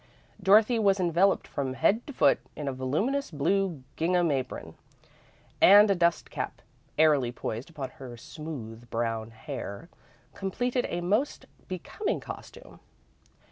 Dorothy was enveloped from head to foot in a voluminous blue gingham apron, and a dust cap, airily poised upon her smooth brown hair, completed a most becoming costume.